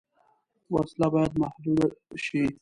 وسله باید محدود شي